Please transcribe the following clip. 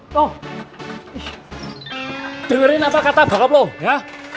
tuh diberi nama kata bakal lo ya